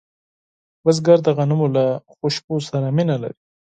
بزګر د غنمو له خوشبو سره مینه لري